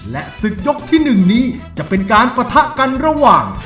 และศึกยกที่๑นี้จะเป็นการปะทะกันระหว่าง